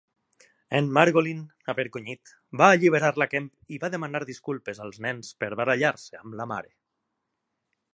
En Margolin, avergonyit, va alliberar la Kemp i va demanar disculpes als nens per barallar-se amb la mare.